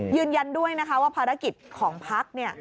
ยืนยันด้วยนะคะว่าภารกิจของพักเนี่ย